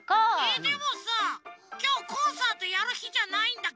でもさきょうコンサートやるひじゃないんだけど。